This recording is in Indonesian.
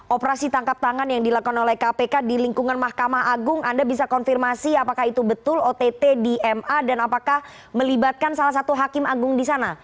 operasi tangkap tangan yang dilakukan oleh kpk di lingkungan mahkamah agung anda bisa konfirmasi apakah itu betul ott di ma dan apakah melibatkan salah satu hakim agung di sana